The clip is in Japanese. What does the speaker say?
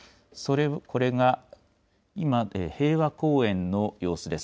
これが今、平和公園の様子です。